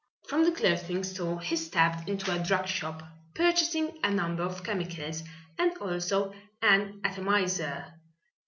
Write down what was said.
From the clothing store he stepped into a drug shop, purchasing a number of chemicals and also an atomizer.